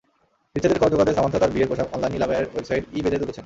বিচ্ছেদের খরচ জোগাতে সামান্থা তাঁর বিয়ের পোশাক অনলাইন নিলামের ওয়েবসাইট ই-বেতে তুলেছেন।